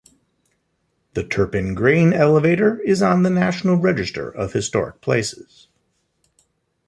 The Turpin grain elevator is on the National Register of Historic Places.